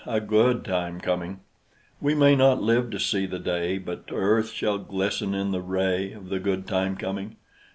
A good time coming: We may not live to see the day, But earth shall glisten in the ray Of the good time coming.